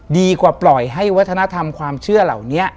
ดีกว่าปล่อยให้วัฒนธรรมความเชื่อเหล่านี้